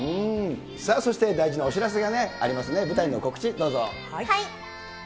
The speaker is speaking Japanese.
さあそして大事なお知らせがありますね、舞台の告知、どうぞ。